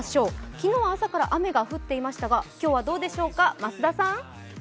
昨日は朝から雨が降っていましたが、今日はどうでしょうか？